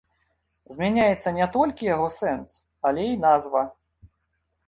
Змяняецца не толькі яго сэнс, але і назва.